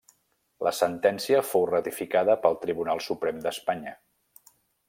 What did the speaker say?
La sentència fou ratificada pel Tribunal Suprem d'Espanya.